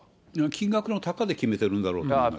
金額の高で決めてるんだろうと思います。